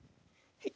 はい。